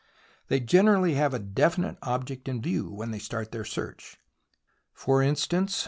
They generally have a definite object in view when they start their search. For instance.